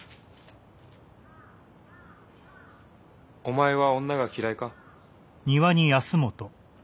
お前は女が嫌いか？